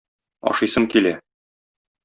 Ашыйсым килә...